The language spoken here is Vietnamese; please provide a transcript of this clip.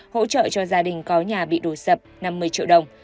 hỗ trợ cho gia đình có nhà bị đổ sập năm mươi triệu đồng